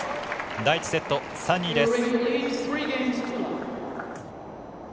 第１セット３−２です。